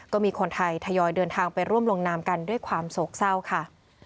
ก็มีคนไทยทยอยเดินทางไปร่วมลงนามกันด้วยความโศกเศร้าค่ะ